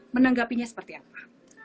menanggapinya seperti apa